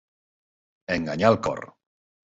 Enganyar el cor.